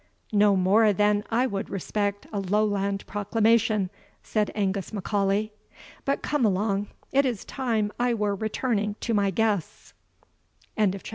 "No more than I would respect a Lowland proclamation," said Angus M'Aulay. "But come along, it is time I were returning to my guests." CHAPTER IX. ....